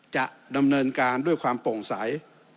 จะดำเนินการด้วยความโปร่งใส